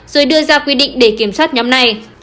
rồi đưa ra quy định để kiểm soát nhóm này